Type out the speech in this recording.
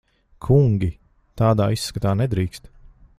Kungi! Tādā izskatā nedrīkst.